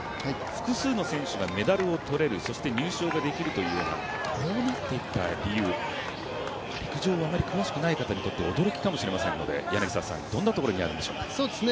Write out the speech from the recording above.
複数の選手がメダルを取れる入賞もできるというようなこうなっていった理由、陸上にあまり詳しくない方からすると驚きかもしれませんのでどんなところにあるんでしょうか。